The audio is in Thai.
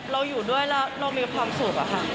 เราอยู่ด้วยเรามีความสุขค่ะ